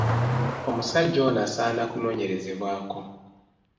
Omusajja ono asaana kunoonyerezebwako.